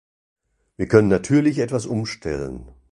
Wir können natürlich etwas umstellen.